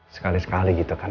sekali sekali gitu kan